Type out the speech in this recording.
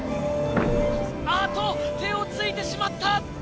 あっと、手をついてしまった。